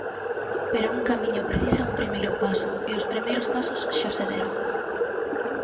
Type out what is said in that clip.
Pero un camiño precisa un primeiro paso, e os primeiros pasos xa se deron.